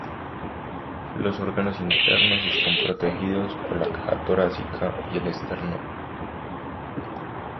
Los órganos internos están protegidos por la caja torácica y el esternón.